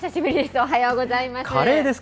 おはようございます。